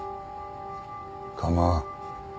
構わん。